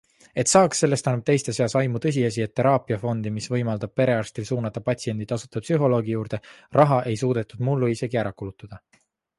Et saaks, sellest annab teiste seas aimu tõsiasi, et teraapiafondi, mis võimaldab perearstil suunata patsienti tasuta psühholoogi juurde, raha ei suudetud mullu isegi ära kulutada.